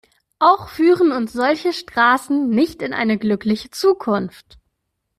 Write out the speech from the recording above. Auch führen uns solche Straßen nicht in eine glückliche Zukunft.